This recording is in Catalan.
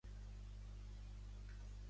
Jo bescanvie, m'allite, bramule, m'agenolle